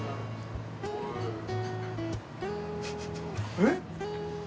えっ？